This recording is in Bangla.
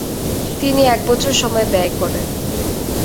তিনি এক বছর সময় ব্যয় করেন।